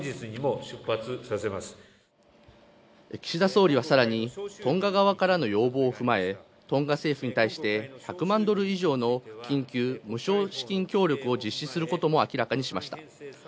岸田総理はさらに、トンガ側からの要望を踏まえ、トンガ政府に対し１００万ドル以上の緊急無償資金協力を実施することも明らかにしました。